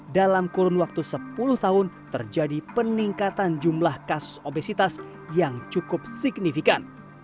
dalam kurun waktu sepuluh tahun terjadi peningkatan jumlah kasus obesitas yang cukup signifikan